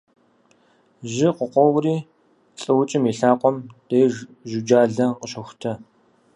Жьы къыкъуоури лӏыукӏым и лъакъуэм деж жьуджалэ къыщохутэ.